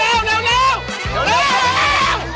เอาไว้ครับผม